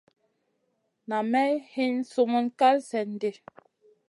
Nam may hin summun kal slèn di.